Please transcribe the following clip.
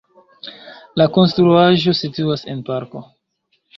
La konstruaĵo situas en parko.